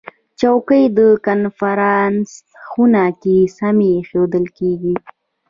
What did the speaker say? چوکۍ د کنفرانس خونه کې سمې ایښودل کېږي.